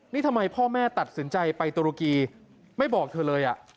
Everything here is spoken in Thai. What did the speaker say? นี่ทำไมพ่อแม่ตัดสินใจไปตุรกีไม่บอกเธอเลย